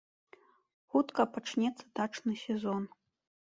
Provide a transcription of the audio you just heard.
Хутка пачнецца дачны сезон.